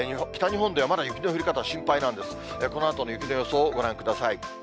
このあとの雪の予想をご覧ください。